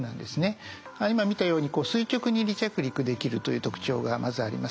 今見たように垂直に離着陸できるという特徴がまずあります。